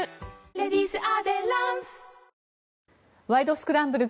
スクランブル」